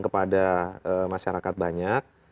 kepada masyarakat banyak